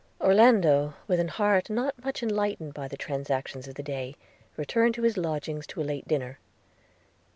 Orlando, with an heart not much lightened by the transactions of the day, returned to his lodgings to a late dinner.